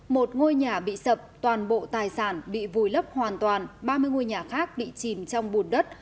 một ngôi nhà bị sập toàn bộ tài sản bị vùi lấp hoàn toàn ba mươi ngôi nhà khác bị chìm trong bùn đất